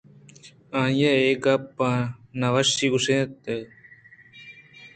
آئیءَ اے گپ پہ نہ وشی ءَگوٛشت اَنت